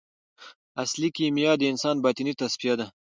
اصلي کیمیا د انسان باطني تصفیه ده.